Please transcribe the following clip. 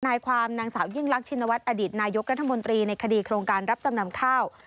นายความนางสาวยิ่งรักชินวัฒนอดีตนายกรัฐมนตรีในคดีโครงการรับจำนำข้าว